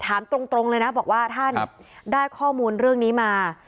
ถามตรงเลยนะบอกว่าท่านได้ข้อมูลเรื่องนี้มา